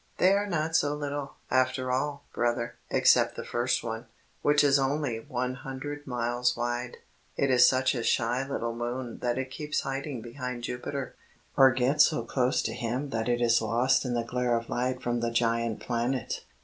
"They are not so little, after all, brother, except the first one, which is only one hundred miles wide. It is such a shy little moon that it keeps hiding behind Jupiter, or gets so close to him that it is lost in the glare of light from the giant planet.